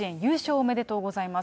おめでとうございます。